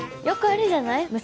よくあるじゃない？